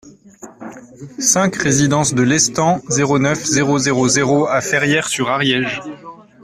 cinq résidence de Lestang, zéro neuf, zéro zéro zéro à Ferrières-sur-Ariège